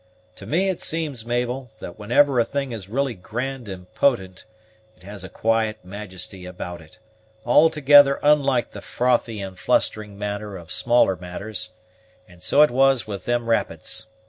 To me it seems, Mabel, that whenever a thing is really grand and potent, it has a quiet majesty about it, altogether unlike the frothy and flustering manner of smaller matters, and so it was with them rapids.